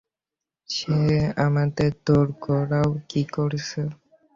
সে আমাদের দোরগোড়ায় কী করছে?